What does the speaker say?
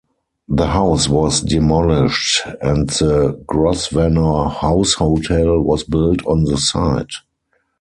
The house was demolished and the Grosvenor House Hotel was built on the site.